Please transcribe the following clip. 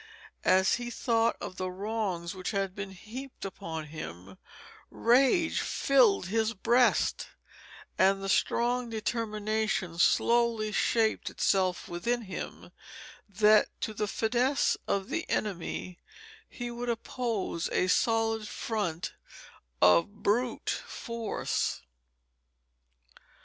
As he thought of the wrongs which had been heaped upon him, rage filled his breast; and the strong determination slowly shaped itself within him that to the finesse of the enemy he would oppose a solid front of brute force.